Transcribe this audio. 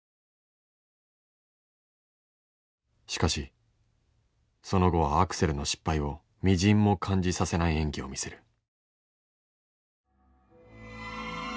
しかしその後はアクセルの失敗をみじんも感じさせない演技を見せる。